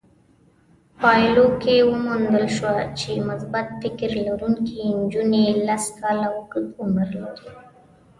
پايلو کې وموندل شوه چې مثبت فکر لرونکې نجونې لس کاله اوږد عمر لري.